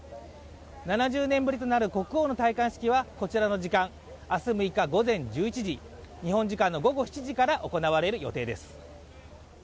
７０年ぶりとなる国王の戴冠式はこちらの時間明日６日午前１１時、日本時間の午後７時から行われる予定です。